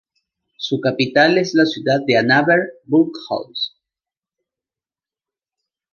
Su capital es la ciudad de Annaberg-Buchholz.